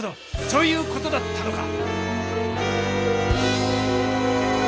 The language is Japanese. そういう事だったのか！